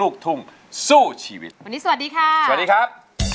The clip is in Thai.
วันนี้สวัสดีครับ